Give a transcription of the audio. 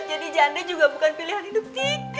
jadi jande juga bukan pilihan hidup tika